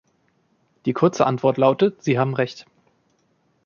Die kurze Antwort lautet, Sie haben recht.